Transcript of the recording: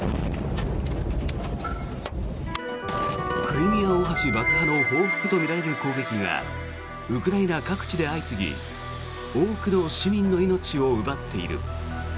クリミア大橋爆破の報復とみられる攻撃がウクライナ各地で相次ぎ多くの市民の命を奪っている。